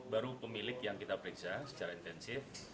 baru pemilik yang kita periksa secara intensif